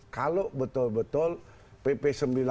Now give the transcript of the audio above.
kalau betul betul pp sembilan puluh sembilan dua ribu dua belas